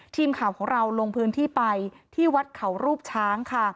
ทีมข่าวของเราลงพื้นที่ไปที่วัดเขารูปช้างค่ะ